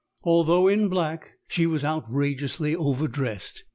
Although in black, she was outrageously over dressed.